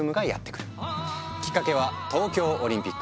きっかけは東京オリンピック。